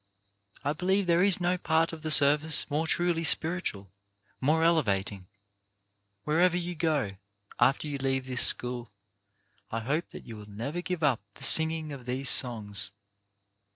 I believe there is no part of the service more truly spiritual, more ele vating. Wherever you go, after you leave this school, I hope that you will never give up the singing of these songs.